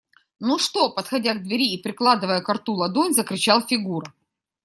– Ну что? – подходя к двери и прикладывая ко рту ладонь, закричал Фигура.